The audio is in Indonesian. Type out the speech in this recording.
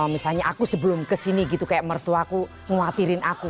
misalnya aku sebelum kesini gitu kayak mertua aku nguatirin aku